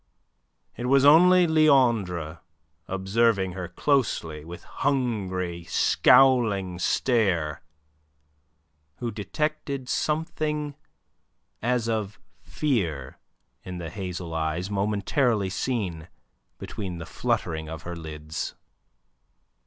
It was only Leandre, observing her closely, with hungry, scowling stare, who detected something as of fear in the hazel eyes momentarily seen between the fluttering of her lids.